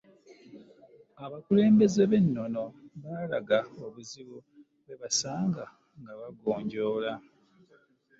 Abakulembeze b’ennono baalaga obuzibu bwe basanga nga bagonjoola